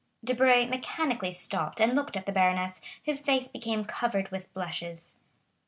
'" Debray mechanically stopped and looked at the baroness, whose face became covered with blushes.